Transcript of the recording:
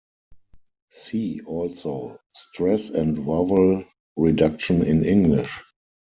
See also stress and vowel reduction in English.